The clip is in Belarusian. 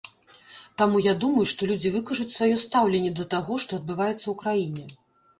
Таму я думаю, што людзі выкажуць сваё стаўленне да таго, што адбываецца ў краіне.